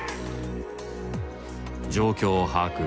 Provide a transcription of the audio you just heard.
状況を把握